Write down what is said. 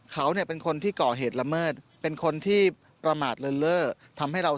เขาเนี่ยเป็นคนที่ก่อเหตุละเมิดเป็นคนที่ประมาทเลินเล่อทำให้เรา